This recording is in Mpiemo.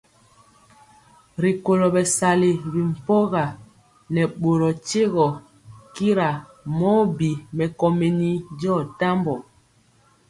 Rikolo bɛsali bi mpɔga nɛ boro tyiegɔ kira mɔ bi mɛkomeni diɔ tambɔ.